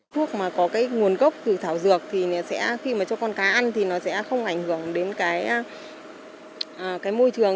thuốc mà có cái nguồn gốc từ thảo dược thì sẽ khi mà cho con cá ăn thì nó sẽ không ảnh hưởng đến cái môi trường